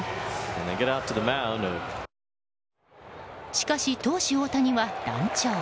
しかし、投手・大谷は乱調。